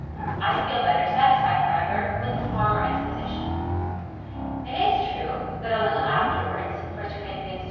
I feel better satisfied, however, with the former exposition. It is true that a little afterwards (chap. ii.